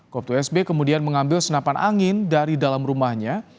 kop dua sb kemudian mengambil senapan angin dari dalam rumahnya